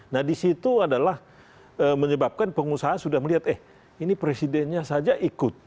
nah disitu adalah menyebabkan pengusaha sudah melihat eh ini presidennya saja ikut